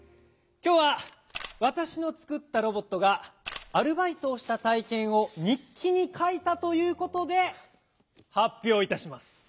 きょうはわたしのつくったロボットがアルバイトをしたたいけんを日記にかいたということで発表いたします。